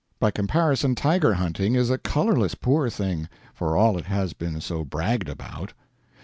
By comparison, tiger hunting is a colorless poor thing, for all it has been so bragged about.